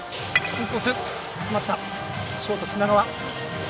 ショート、品川。